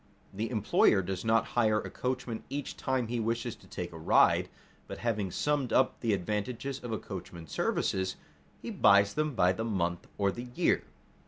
The employer does not hire a coachman each time he wishes to take a ride, but having summed up the advantages of a coachman's services, he buys them by the month or the year.